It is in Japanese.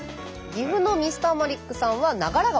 岐阜のＭｒ．マリックさんは長良川。